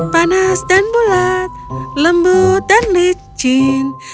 panas dan bulat lembut dan licin